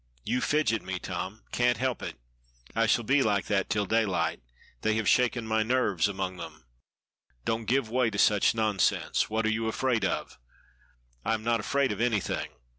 "You fidget me, Tom!" "Can't help it. I shall be like that till daylight. They have shaken my nerves among them." "Don't give way to such nonsense. What are you afraid of?" "I am not afraid of anything.